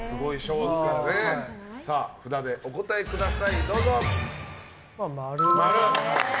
札でお答えください。